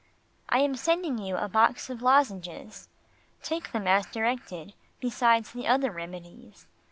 I am sending you a box of lozenges. Take them as directed besides the other remedies.